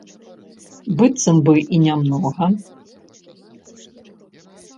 Быццам бы і не многа!